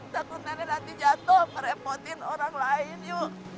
takut nenek nanti jatuh merepotin orang lain yuk